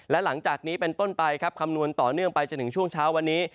และหลังจากนี้เป็นต้นไปครับคำนวณต่อเนื่องไปจนถึงช่วงเช้าวันนี้